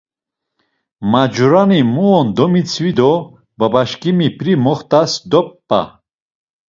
Macurani mu on domitzvi do babaşǩimi p̌ri moxt̆as dop̌a.